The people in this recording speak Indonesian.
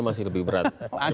masih lebih berat